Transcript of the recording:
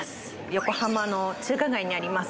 横浜の中華街にあります